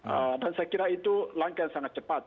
eee dan saya kira itu langkah yang sangat cepat